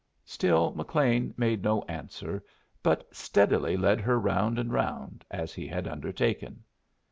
Still McLean made no answer, but steadily led her round and round, as he had undertaken.